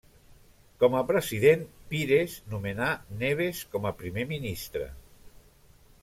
Com a President, Pires nomenà Neves com a primer ministre.